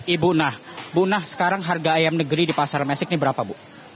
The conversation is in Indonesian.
ibu nah ibu nah sekarang harga ayam negeri di pasar messic ini berapa bu